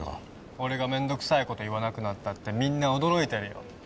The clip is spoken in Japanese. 俺が面倒くさい事言わなくなったってみんな驚いてるよ。